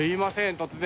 突然。